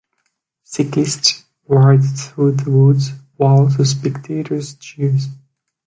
Cyclists ride through the woods while the spectators cheer.